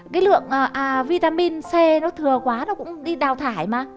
cái lượng vitamin c nó thừa quá nó cũng đi đào thải mà